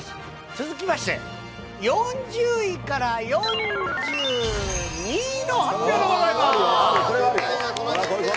続きまして、４０位から４２位の発表でございます。